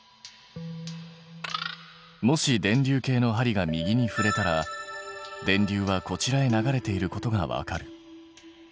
もし電流計の針が右にふれたら電流はこちらへ流れていることがわかる。